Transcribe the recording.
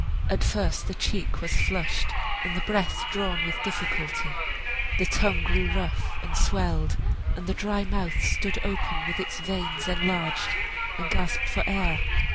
At first the cheek was flushed, and the breath drawn with difficulty. The tongue grew rough and swelled, and the dry mouth stood open with its veins enlarged and gasped for the air.